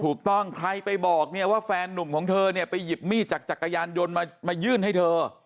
ถูกต้องใครไปบอกเนี่ยว่าแฟนนุ่มของเธอเนี่ยไปหยิบมีดจากจักรยานยนต์มายื่นให้เธอ